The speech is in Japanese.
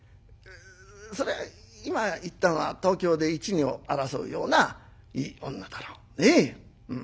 そりゃ今行ったのは東京で一二を争うようないい女だろ。